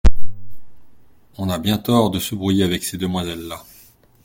On a bien tort de se brouiller avec ces demoiselles-là…